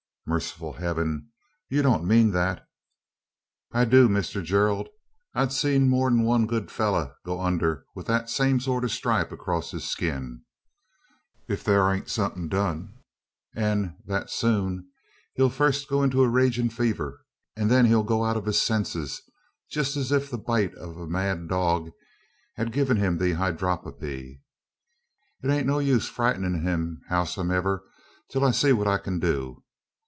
"Merciful Heaven! you don't mean that?" "I do, Mister Gerald. I've seed more 'an one good fellur go under wi' that same sort o' a stripe acrost his skin. If thur ain't somethin' done, an thet soon, he'll fust get into a ragin' fever, an then he'll go out o' his senses, jest as if the bite o' a mad dog had gin him the hydrophoby. It air no use frightenin' him howsomdever, till I sees what I kin do.